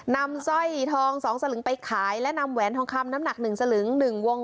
สร้อยทอง๒สลึงไปขายและนำแหวนทองคำน้ำหนัก๑สลึง๑วง